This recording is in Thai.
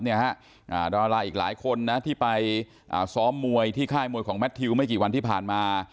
ดาราอีกหลายคนนะที่ไปซ้อมมวยที่ค่ายมวยของแมททิวไม่กี่วันที่ผ่านมา